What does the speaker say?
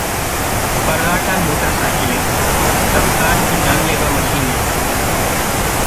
फर्राटा मोटरसाइकिलें: रफ्तार की जानलेवा मशीनें